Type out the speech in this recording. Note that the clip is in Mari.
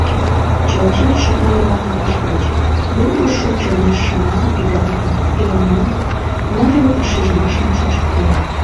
Чылажат шыта йӧратымаш гыч: вургыжшо чонеш шыман ӱдалтын, илана…, ныжыл вашшижмашым шочыктен.